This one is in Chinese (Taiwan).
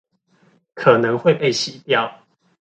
可能會被洗掉